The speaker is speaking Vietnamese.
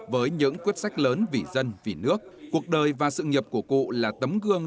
với những quyết sách lớn vì dân vì nước cuộc đời và sự nghiệp của cụ là tấm gương